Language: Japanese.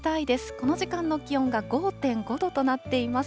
この時間の気温が５．５度となっています。